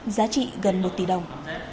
giá trị gần một tỷ đồng